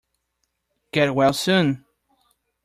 Get well soon!